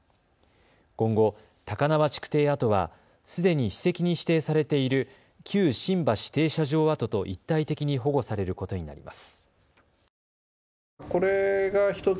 今後、高輪築堤跡はすでに史跡に指定されている旧新橋停車場跡と一体的に保護されることになります。